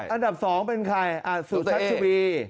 อันดับ๒เป็นใครสุชัชวี